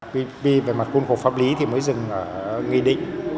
ppp về mặt cung cục pháp lý thì mới dừng nghị định